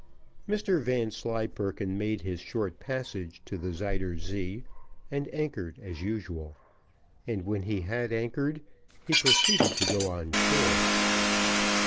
Mr Vanslyperken made his short passage to the Zuyder Zee, and anchored as usual; and when he had anchored, he proceeded to go on shore.